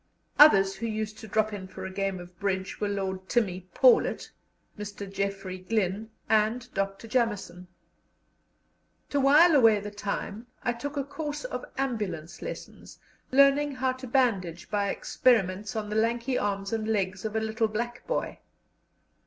Others who used to drop in for a game of bridge were Lord Timmy Paulet, Mr. Geoffrey Glyn, and Dr. Jameson. To while away the time, I took a course of ambulance lessons, learning how to bandage by experiments on the lanky arms and legs of a little black boy.